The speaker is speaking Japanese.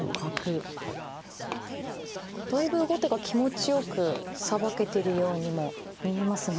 だいぶ後手が気持ちよくさばけてるようにも見えますが。